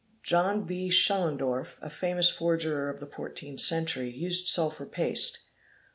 Joh. V. Schellendorf, a famous forger of the 14th century, used sulphur paste.